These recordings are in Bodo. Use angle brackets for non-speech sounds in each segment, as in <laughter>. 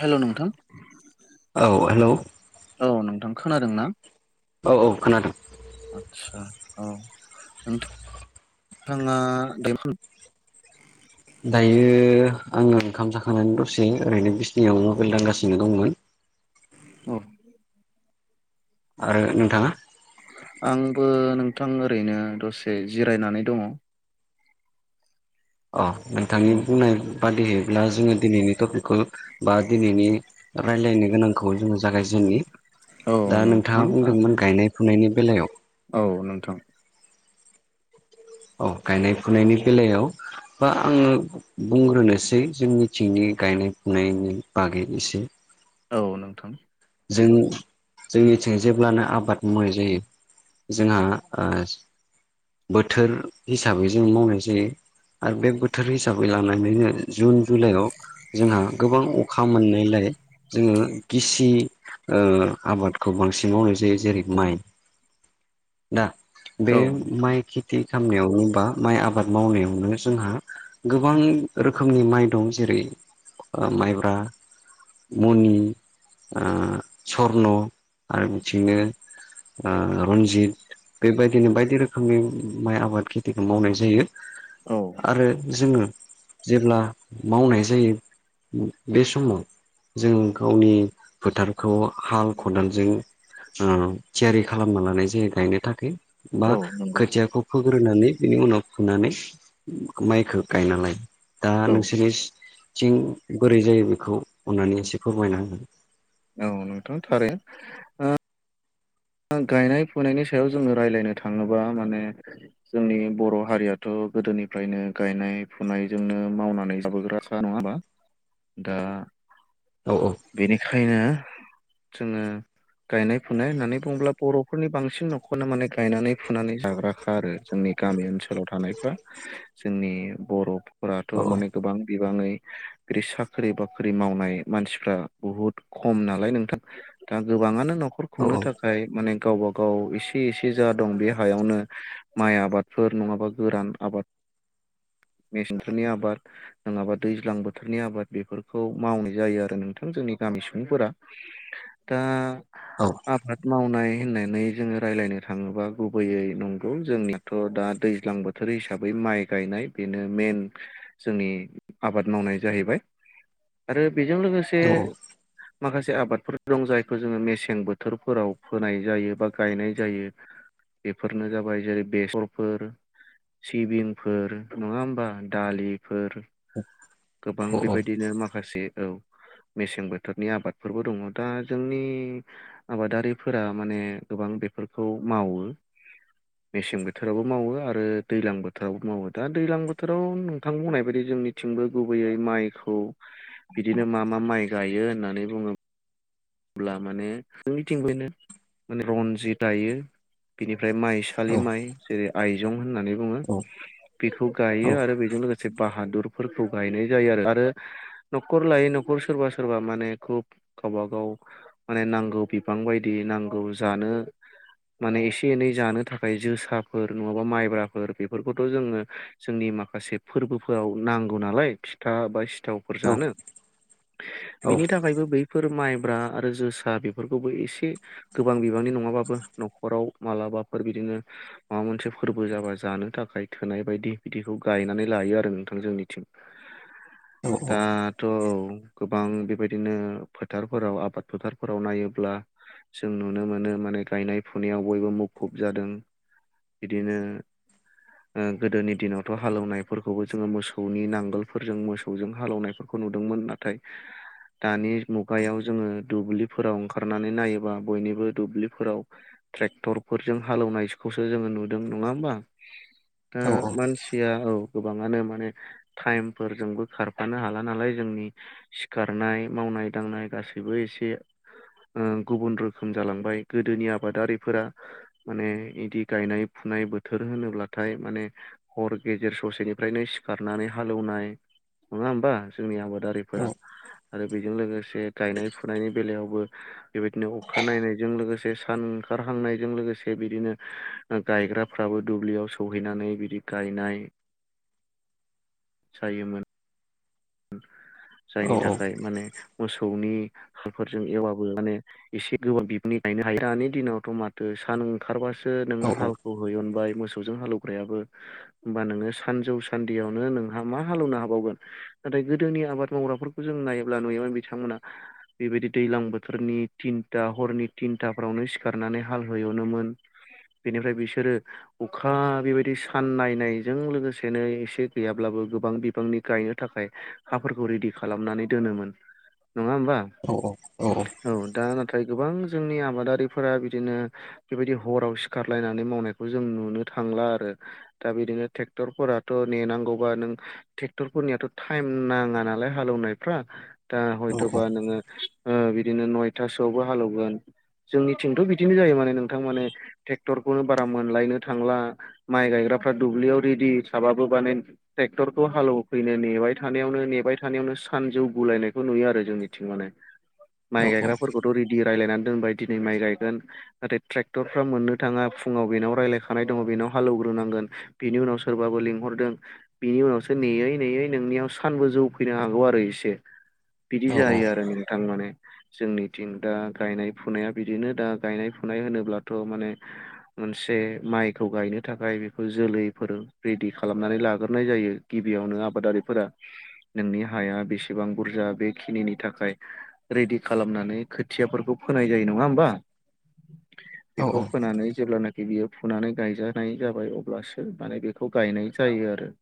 हेलौ नोंथां औ हेलौ औ नोंथां खोनादों ना? औ औ खोनादों। आदसा औ नोंथां नोंथाङा बेफोर, दायो आङो ओंखाम जाखांनानै दसे ओरैनो बिसनियाव मबाइल दांगासिनो दंमोन। औ आरो नोंथाङा? आंबो नोंथां ओरैनो दसे जिरायनानै दङो। अ नोंथांनि बुंनाय बादिहै, ब्ला जोङो दिनैनि टपिकखौ बा दिनैनि रायलायनो गोनांखौ जोङो जागायजेननि, औ दा नोंथां नोंथाङा बुंदोंमोन गायनाय फुनायनि, बेलायाव औ नोंथां औ गायनाय फुनायनि बेलायाव, बा आङो बुंग्रोनोसै जोंनिथिंनि गायनाय फुनायनि बागै एसे, औ नोंथां जों जोंनिथिं जेब्लानो आबाद मावनाय जायो। जोंहा बोथोर हिसाबै जों मावनाय जायो। आरो बे बोथोर हिसाबै लानानैनो जुन जुलाइआव जोंहा गोबां अखा मोननायलाय। जोङो गिसि आबादखौ बांसिन मावनाय जायो जेरै माइ दा बे औ माइ खेथि खालामामनायावनो बा माइ आबाद मावनायावनो जोंहा गोबां रोखोमनि माइ दं जेरै माइब्रा, मनि ओ सन' आरो बिथिनो, ओ रन्जित बेबायदिनो बायदि रोखोमनि माइ आबाद खेथिखौ मावनाय जायो। औ आरो जोङो जेब्ला मावनाय जायो। बे समाव जों गावनि फोथारखौ हाल खदालजों ओ थियारि खालामना लानाय जायो गायनो थाखाय बा औ नंगौ खोथियाखौ फो ग्रोनानै बिनि उनाव फुनानै माइखौ गायना लायो। दा औ नोंसोरनिथिं बोरै जायो बेखौ अननानै एसे फोरमायना होदो, औ नोंथां थारै गायनाय फुनायनि सायाव जोङो रायज्लायनो थाङोबा माने जोंनि बर' हारियाथ' गोदोनिफ्रायनो गायनाय फुनायजोंनो मावनानै जाबोग्राखा नङा होमबा? दा होगोन औ <inaudible> बेनिखायनो जोङो गायनाय फुनाय होननानै बुंब्ला बर'फोरनि बांसिन न'खोनो माने गायनानै फुनानै जाग्राखा आरो जोंनि गामि ओनसोलाव थानाय फ्रा जोंनि बर'फोराथ' औ माने गोबां बिबाङै ग्रि साख्रि बाख्रि मावनाय मानसिफ्रा बुहुद खम नालाय नोंथां। दा गोबाङानो न'खर औ खुंनो थाख माने गावबा गाव एसे एसे जा दं बे हायावनो माइ आबादफोर नङाबा गोरान आबाद मेसेंफोरनि आबाद नोङाबा दैज्लां बोथोरनि आबाद बेफोरखौ मावनाय जायो आरो नोंथां जोंनि गामि <unintelligible> सुबुंफोरा दा औ नाय होननानै जोङो राय्लायनो थाङोबा गुबैयै नंगौ जोंनाथ' दा दैज्लां बोथोर हि साबै माइ गायनाय बेनो मेन जोंनि आबाद मावनाय जाहैबाय। आरो बेजों लोगोसे औ माखासे आबादफोर दं जायखौ जोङो मेसें बोथोर फोराव फोनाय जायो बा गायनाय जायो। बेफोरनो जाबाय जेरै बेसरफोर सिबिंफोर नङा होमबा दालि फोर गोबां औ बेबायदिनो माखासे औ। मेसें बोथोरनि आबादफोरबो दङ दा जोंनि आबादारिफोरा माने गोबां बेफोरखौ मावो। मेसें बोथोरावबो मावो आरो दैलां बोथोरावबो मावो दा दैलां बोथोराव नोंथां बुंनाय बायदि जोंनिथिंबो गुबैयै माइखौ बिदिनो मा मा माइ गायो होननानै बुङो ब्ला माने जोंनिथिं बेनो माने रनजिद गायो बिनि ओमफ्राय औ माइसालि माइ जेरै आइजुं होननानै बुङो औ । बेखौ गायो आरो बेजों लोगोसे बाहादुर फोरखौ गायनाय जायो आरो आरो न'खर लायै न'खर सोरबा सोरबा माने खुब गावबा गाव माने नांगौ बिबां बायदि नांगौ जानो माने एसे एनै जानो थाखाय जोसाफोर नङाबा माइब्राफोर बेफोरखौथ' जोङो जोंनि माखासे फोर्बोफोराव नांगौ नालाय फिथा बा सि थावफोर जानो बिनि थाखायबो बैफोर माइब्रा आरो जोसा बेफोरखौबो एसे गोबां बिबांनि नङाबाबो न'खराव मालाबाफोर बिदिनो माबा मोनसे फोर्बो जाबा जानो थाखाय थोनाय बायदि बिदिखौ गायनानै लायो आरो नोंथां जोंनिथिं । दाथ' गोबां बेबायदिनो फोथारफोराव आबाद फोथारफोराव नायोब्ला जों नुनो मोनो माने गायनाय फुनायाव बयबो मुखुब जादों। बिदिनो ओ गोदोनि दिनावथ' हालेवनायफोरखौबो जोङो मोसौनि नांगोलफोरजों मोसौजों हालौवनायफोरखौ खौ नुदोंमोन नाथाय दानि मुगायाव जोङो दुब्लिफोराव ओंखारनानै नायोबा बयनिबो दुब्लिफोराव ट्रेक्टरफोरजों हालौवनाय सो जोङो नुदों नङा होमबा दा मानसिया औ गोबाङानो माने टाइमफोरजोंबो खारफानो हाला नालाय जोंनि सिखारनाय माव नाय दांनाय गासैबो एसे ओ गुबुन रोखोम जालांबाय गोदोनि आबादारिफोरा माने इदि गायनाय फुनाय नाय बोथोर होनोब्लाथाय माने हर गेजेर ससेनिफ्रायनो सिखारनानै हालौवनाय नङा होमबा जोंनि आबादारिफोरा आरो बेजों लोगोसे गायनाय फु नायावबो बेबायदिनो अखा नायनायजों लोगोसे सान ओंखारहांनायजों लोगोसे बिदिनो गायग्राफ्राबो दुब्लियाव सौहैनानै बिदि गायनाय जायोमोन। जायनि थाखाय माने मोसौनि हालफोरजों एवबाबो माने एसे गोबां बिबांनि गायनो हायो। दानि दिनावथ' माथो सान ओंखारबासो सो नोङो हालखौ होय अनबाय मोसौजों हालौग्रायाबो ओमबा नोङो सानजौ सान्दियावनो नोंहा मा हालौवनो हाबावगोन। नाथाय गोदोनि आबाद मावग्राफोरखौ जों नायोब्ला नुयामोन बिथांमोना बेबायदि दैलां बोथोरनि थिन था हरनि टिनटाफ्रावनो सिखारनानै हाल होय अननोमोन। बेनिफ्राय बिसोरो अखा बेबायदि सान नायनायजों लोगोसेनो एसे गैयाब्लाब बो गोबां बिबांनि गायनो थाखाय हाफोरखौ रेडि खालामनानै दोनोमोन। नङा ओमबा? औ दा थाय गोबां जोंनि आबादारिफोरा बिदिनो बेबायदि हराव सिखारलायनानै मावनायखौ जों नुनो थांला आरो दा बिदिनो ट्रेक्टरफोराथ' नेनांगौबा नों ट्रेक्टरफोरनियाथ' टाइम नाङा नालाय हालौवनायफ्रा दा हयथ'बा नोङो बिद दिनो नयथासोआवबो हालौगोन। जोंनिथिंथ' बिदिनो जायो माने नोंथां माने ट्रेक्टरखौनो बारा मोनलायनो थांला। माइ गायग्रा फ्रा दुब्लियाव रेडि थाबाबो माने ट्रेक्टरखौ हालवफैनो नेबाय थानायावनो नेबाय थानायावनो सानजौ गुलायनायखौ नुयो आरो जोंनिथिं माने । माइ औ गायग्राफोरखौथ' रेदि रायलायनानै दोनबाय दिनै माइ गायगोन‌। नाथाय ट्रेक्टरफ्रा मोननो थाङा फुङाव बेनाव रायलायखानाय दङ। बेनाव हालौव ग्रोनांगोन बेनि उनाव सोरबा बो लेंहरदों बिनि उनावसो नेैयै नेयै नोंनि आव सानबो जौ फैनो हागौ आरो एसे बिदि औ औ जायो आरो नोंथां माने। जोंनिथिं दा गायनाय फुनाया बिदिनो दा गायनाय फुनाय होनोब्लाथ' माने मोनसे माइखौ गायनो थाखाय बेखौ जोलैफोर रेडि खालामनानै लाग्रोनाय जायो गिबियाव नो आबादारिफोरा नोंनि हाया बेसेबां बुरजा बेखिनिनि थाखाय रेडि खालामनानै खोथियाफोरखौ फो फोनाय जायो नङा होमबा? औ बेखौ फोनानै जेब्लानाखि बियो। फुनानै गायजानाय जाबाय अब्लासो माने बेखौ गायनाय जायो आरो।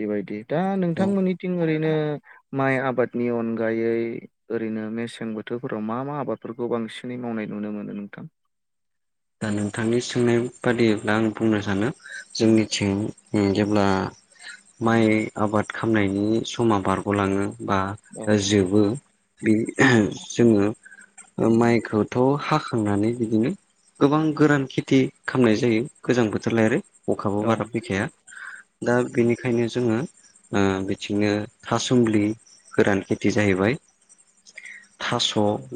बेबायदि दा औ नोंथांमोननिथिं ओरै नो माइ आबादनि अनगायै ओरैनो मेसें बोथोरफोराव मा मा आबादफोरखौ बां बांसिनै मावनाय नुनो मोनो नोंथां। दा नोंथांनि सोंनाय बादिब्ला आं बुंनो सानदों जोंनिथिं उम जेब्ला माइ आबाद खालामनायनि समा बारग'लाङो बा औ जोबो। बे जोङो ओ माइखौथ' हाखांनानै बिदिनो गोबां गोरान खेथि खालामनाय जायो। गोजां बोथोर लाय आरो। अखाबो औ बारा फैखाया दा बेनिखायनो जोङो। ओ बिथिंनो थासुमलि गोरान खेथि जाहैबाय। थास'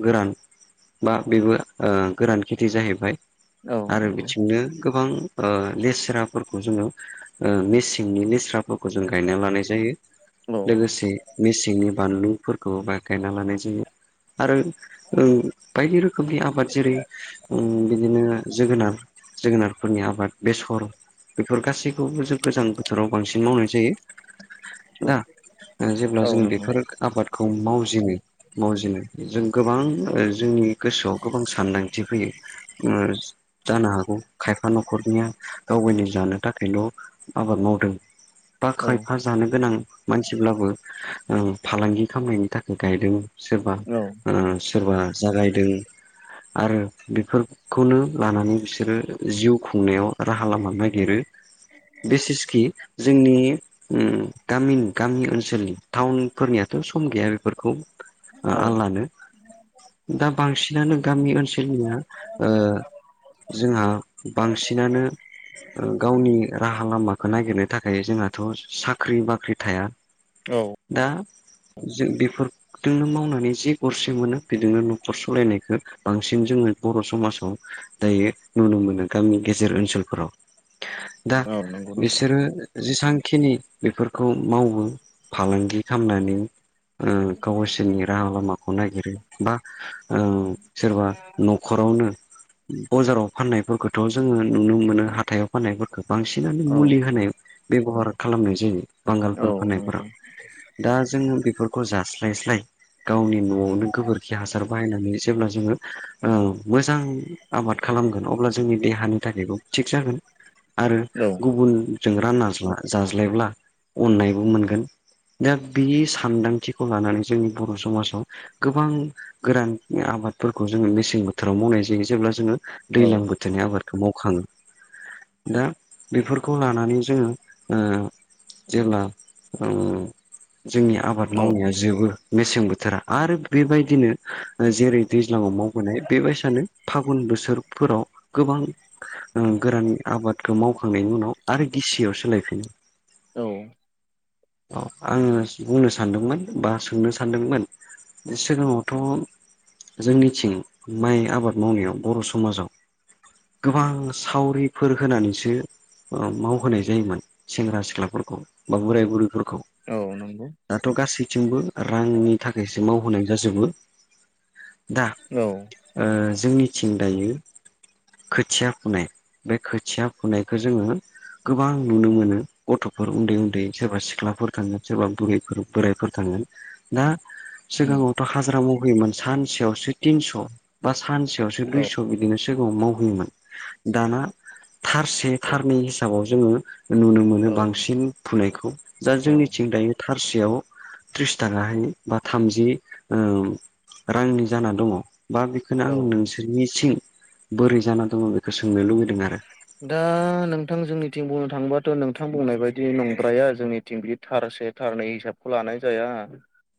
गोरान बा बेबो ओ गोरान के थि जाहैबाय औ आरो नंगौ बिथिंनो। गोबां ओ लेस्राफोरखौ जोङो ओ मेसेंनि लेस्रा फोरखौ जों गायना लानाय जायो। औ लोगोसे मेसेंनि बानलुफोरखौ बा गायना लानाय जायो। आरो ओं बायदि रोखोमनि आबाद जेरै ओं बिदिनो जोगोनार जोगोनारफोरनि आबाद बेसर बेफोर गासैखौबो जों गोजां बोथोराव बांसिन मावनाय जायो। दा ओ जेब्ला औ जों नंगौ बेफोर आबादखौ मावजिनो मावजिनो। जों गोबां ओ जोंनि गोसोआव गोबां सानदांथि फैयो। ओ जानो हागौ खायफा न'खरनिया गाव गावनि जानो थाखायल' आ बाद मावदों। बा औ खायफा जानो गोनां मानसिब्लाबो ओ फालांगि खालामनायनि थाखाय गायदों। सोरबा औ ओ सोरबा जागायदों आरो बेफोर खौनो लानानै बिसोरो जिउ खुंनायाव राहा लामा नागिरो। बिसेसकि जोंनि उम गामिनि गामि ओनसोलनि टाउनफोरनियाथ' सम गैया बेफोरखौ औ आलादानो दा बांसिनानो गामि ओनसोल। हा ओ जोंहा बांसिनानो ओ गावनि राहा लामाखौ नागिरनो थाखाय जोंहाथ' साख्रि बाख्रि साख्रि थाया औ दा जों बेफोर जोंनो मावनानै जि गरसे मोनो बेजोंनो न'खर सालायनायखौ बांसिन बांसिन जोंङो बर' समाजाव दायो नुनो मोनो गामि गेजेर ओनसोलफोराव। दा औ नंगौ नोंथां बिसोरो जेसांखिनि बेफोरखौ मावो फालांगि खालामनानै। ओ गावसोरनि राहा लामाखौ नागिरो बा ओ सोरबा न'खरावनो बजाराव फाननायफोरखौथ' जोंङो नुनो मोनो हाथायाव फाननायफोरखौ बांसिनानो औ मुलि होनाय बेब'हार खालामनाय जायो औ बांगालफोर फाननायफोरा नंगौ दा जोंङो बे बेफोरखौ जास्लायस्लाय गावनि न'आवनो गोबोरखि हासार बाहायनानै जेब्ला जोंङो ओ मोजां आबाद खालामगोन अब्ला जोंनि देहानि थाखायबो थिग जागोन। आरो औ गुबुनजों रानना जा जाज्लायब्ला अननायबो मोनगोन। दा बे सानदांथिखौ लानानै जोंनि बर' समाजाव गोबां गोरान आबादफोरखौ जोंङो मेसें बोथोराव मावनाय जायो जेब्ला जोंङो औ दैज्लां बोथोरनि आबादखौ मावखाङो। दा बेफोरखौ लानानै जोंङो ओ। जेब्ला ओ। जोंनि आबाद औ मावनाया नंगौ जोबो मेसें बोथोरा आरो बेबायदिनो जेरै दै ज्लांआव मावबोनाय। सानो फागुन बोसोरफोराव गोबां गोरान आबादखौ माव वखांनायनि उनाव आरो गिसियाव सोलायफिनो। औ अ आंङो बुंनो सान्दोंमोन बा सोंनो सान्दोंमोन सिगाङावथ' जोंनिथिं माइ आबाद मावनायाव बर' समाजाव गोबां सावरिफोर होनानैसो मावहोनाय जायोमोन सेंग्रा सिख्लाफोरखौ बा बोराय बुरैफोरखौ औ नंगौ थिंबो रांनि थाखायसो मावहोनाय जाजोबो दा औ ओ जोंनिथिं दायो खोथिया फुनाय बे खोथिया फुनायखौ जोंङो गोबां नुनो मोनो गथ'फोर उन्दै उन्दै सोरबा सिख्ला फोर थाङो सोरबा बुरफोर बोरायफोर थाङो दा उम सिगाङावथ' हाजिरा मावहैयोमोन सानसेयावसो थिनस' बा सानसेयावसो औ दुइस' बिदिमोन थेवबाबो मावहोयोमोन दाना थारसे औ थारनै हिसाबाव जोंङो नुनो मोनो औ बांसिन फुनायखौ जा औ जोंनिथिं दायो थारसेयाव त्रिस थाखाहाय बा थामजि ओ रांनि जाना दङ। बा बेखौनो आं औ नोंसोरनि थिं बोरै जाना दङ बेखौ सोंनो लुबैदों आरो दा नोंथां जोंनि थिं बुंनो थाङोबाथ' नोंथां बुंनाय बायदि नंग्राया जोंनिथिं बि थार से थारनै हिसाबखौ लानाय जाया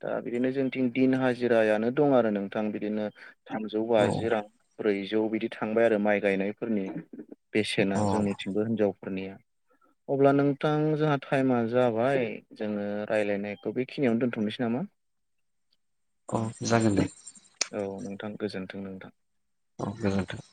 दा बिदिनो जोंथिं दिन हाजिरायानो दं आरो नोंथां बिदिनो थामजौ औ बाजि रां ब्रैजौ बिदि थांबाय आरो माइ गायनायफोरनि बेसेना औ जोंनिथिंबो हिनजावफोरनिया अब्ला नोंथां जोंहा टाइमा जाबाय जोंङो राय्लायनायखौ बेखिनियावनो दोनथ'नोसै नामा <inaudible> औ जागोन दे औ नोंथां गोजोन्थों नोंथां औ जागोन नोंथां।